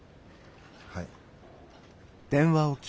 はい。